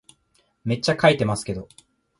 めっちゃ書いてますけど